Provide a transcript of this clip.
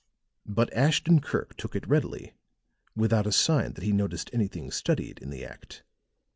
But Ashton Kirk took it readily, without a sign that he noticed anything studied in the act.